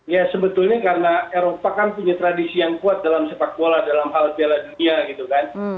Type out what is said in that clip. ya sebetulnya karena eropa kan punya tradisi yang kuat dalam sepak bola dalam hal piala dunia gitu kan